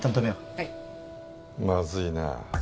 ・はいまずいなあ